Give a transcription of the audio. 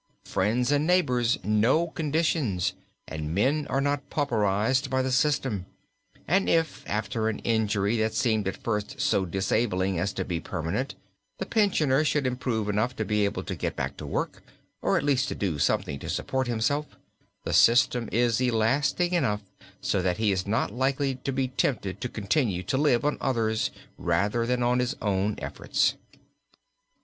Friends and neighbors know conditions, and men are not pauperized by the system, and if, after an injury that seemed at first so disabling as to be permanent, the pensioner should improve enough to be able to get back to work, or, at least, to do something to support himself, the system is elastic enough so that he is not likely to be tempted to continue to live on others rather than on his own efforts.